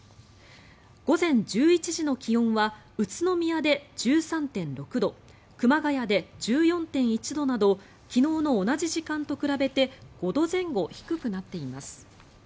午前１１時の気温は宇都宮で１３．６度熊谷で１４．１度など昨日の同じ時間と比べて５度前後低くなっています。